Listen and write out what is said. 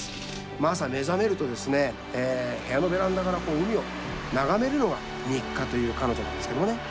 毎朝、目が覚めると部屋のベランダから海を眺めるのが日課という彼女なんですけど。